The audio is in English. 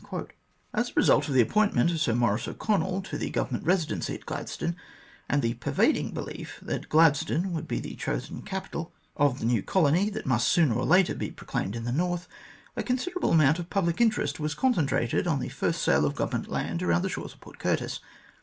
As a result of the appointment of Sir Maurice O'Connell to the Government Eesidency at Gladstone, and the per vading belief that Gladstone would be the chosen capital of the new colony that must sooner or later be proclaimed in the north, a considerable amount of public interest was con centrated on the first sale of Government land around the shores of Port Curtis.